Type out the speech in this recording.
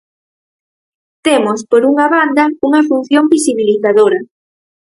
Temos, por unha banda, unha función visibilizadora.